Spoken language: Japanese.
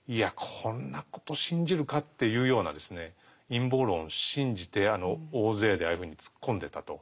こんなこと信じるか？っていうような陰謀論を信じて大勢でああいうふうに突っ込んでったと。